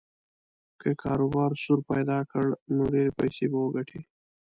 که یې کاروبار سور پیدا کړ نو ډېرې پیسې به وګټي.